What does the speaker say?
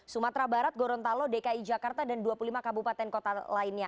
sumatera barat gorontalo dki jakarta dan dua puluh lima kabupaten kota lainnya